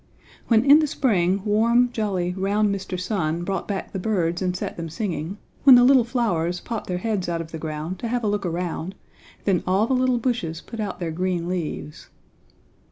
When in the spring warm, jolly, round Mr. Sun brought back the birds and set them singing, when the little flowers popped their heads out of the ground to have a look around, then all the little bushes put out their green leaves.